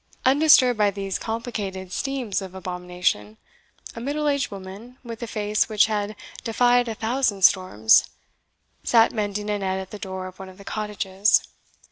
Undisturbed by these complicated steams of abomination, a middle aged woman, with a face which had defied a thousand storms, sat mending a net at the door of one of the cottages.